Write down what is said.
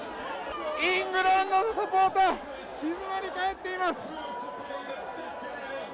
イングランドのサポーターは静まり返っています。